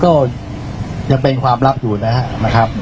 ก็ยังเป็นความลับอยู่นะครับ